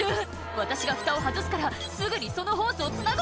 「私がフタを外すからすぐにそのホースをつなぐのよ」